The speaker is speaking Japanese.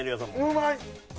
うまい！